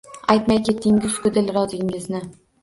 Aytmay ketdingiz-ku dil rozingizni